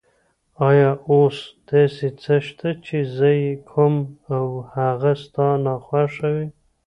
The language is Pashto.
آیا اوس داسې څه شته چې زه یې کوم او هغه ستا ناخوښه وي؟